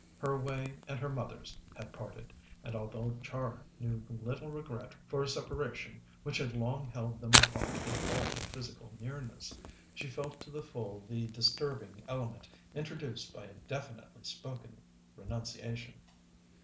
Her way and her mother's had parted, and although Char knew little regret for a separation which had long held them apart in all but physical nearness, she felt to the full the disturbing element introduced by a definitely spoken renunciation.